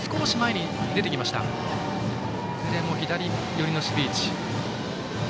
いずれも左寄りの守備位置。